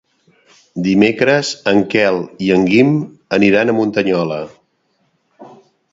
Dimecres en Quel i en Guim aniran a Muntanyola.